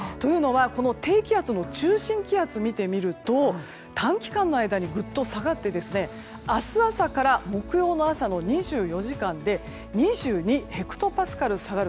低気圧の中心気圧を見てみると短期間の間にぐっと下がって明日朝から木曜の朝の２４時間で２２ヘクトパスカル下がる。